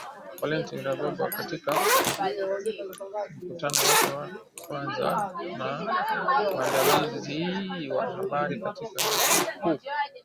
Valentine Rugwabiza katika mkutano wake wa kwanza na waandishi wa habari katika mji mkuu